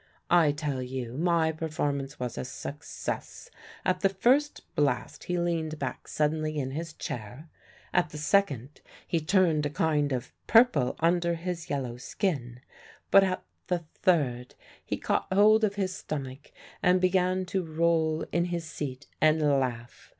I tell you, my performance was a success. At the first blast he leaned back suddenly in his chair; at the second he turned a kind of purple under his yellow skin; but at the third he caught hold of his stomach and began to roll in his seat and laugh.